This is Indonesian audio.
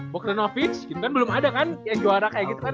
bokrenovins gitu kan belum ada kan yang juara kayak gitu kan